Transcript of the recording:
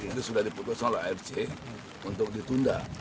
itu sudah diputus oleh afc untuk ditunda